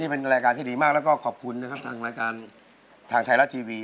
เป็นรายการที่ดีมากแล้วก็ขอบคุณนะครับทางรายการทางไทยรัฐทีวี